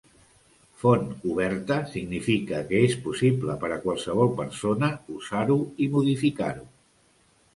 Font oberta significa que és possible per a qualsevol persona usar-ho i modificar-ho.